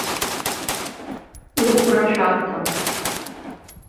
Лыхәра шәарҭам.